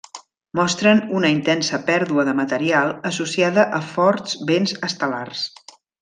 Mostren una intensa pèrdua de material associada a forts vents estel·lars.